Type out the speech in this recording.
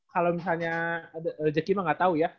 kalo misalnya ada rejeki mah gatau ya